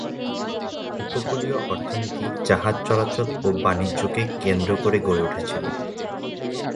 উপকূলীয় অর্থনীতি জাহাজ চলাচল ও বাণিজ্যকে কেন্দ্র করে গড়ে উঠেছিল।